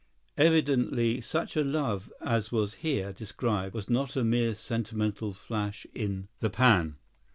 Evidently such a love as was here described was not a mere sentimental flash in the pan.